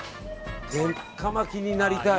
鉄火巻きになりたい。